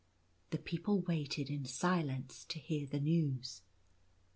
The people waited in silence to hear the news.